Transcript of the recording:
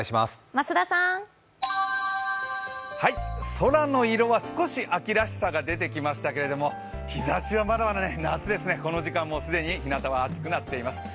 空の色は少し秋らしさが出てきましたけども日ざしはまだまだ夏ですね、この時間ひなたは既に暑くなっています。